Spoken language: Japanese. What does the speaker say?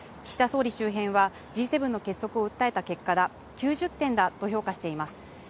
総理周辺は、Ｇ７の結束を訴えた結果だ、９０点だと評価しています。